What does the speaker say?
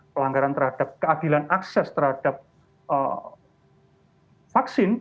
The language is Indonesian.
pelanggaran terhadap keadilan akses terhadap vaksin